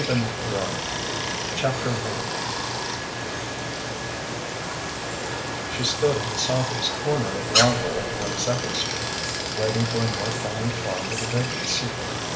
He was gone JOAN THURSDAY I She stood on the southeast corner of Broadway at Twenty second Street, waiting for a northbound car with a vacant seat.